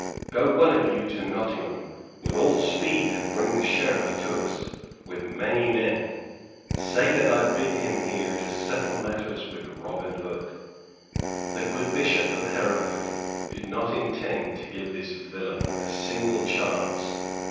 Go, one of you, to Nottingham, with all speed, and bring the Sheriff to us, with many men. Say that I bid him here to settle matters with Robin Hood." The good Bishop of Hereford did not intend to give this villain a single chance.